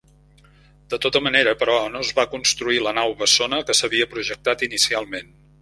De tota manera, però, no es va construir la nau bessona que s'havia projectat inicialment.